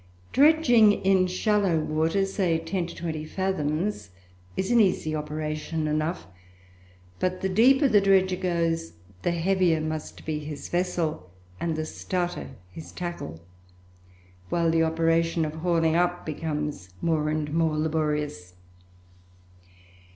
Dredging in shallow water, say ten to twenty fathoms, is an easy operation enough; but the deeper the dredger goes, the heavier must be his vessel, and the stouter his tackle, while the operation of hauling up becomes more and more laborious.